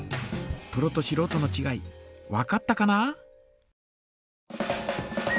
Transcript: プロとしろうとのちがいわかったかな？